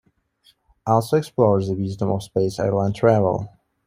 Also explores the wisdom of space airliner travel.